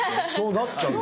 なっちゃう。